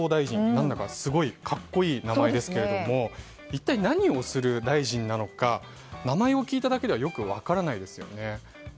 何だかすごい格好いい名前ですが一体何をする大臣なのか名前を聞いただけではよく分からないですよね。